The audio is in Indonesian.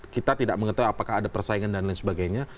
kita tidak mengetahui apakah ada persaingan dan lain sebagainya